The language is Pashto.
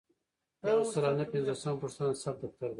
یو سل او نهه پنځوسمه پوښتنه د ثبت دفتر دی.